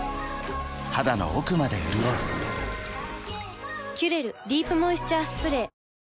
肌の奥まで潤う「キュレルディープモイスチャースプレー」